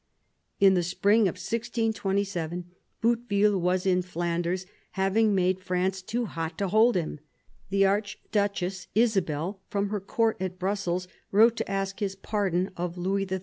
In the spring of 1627 Bouteville was in Flanders, having made France too hot to hold him. The Archduchess Isabel, from her Court at Brussels, wrote to ask his pardon of Louis XIII.